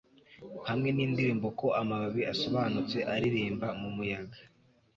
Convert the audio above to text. Hamwe nindirimbo ko amababi asobanutse aririmba mumuyaga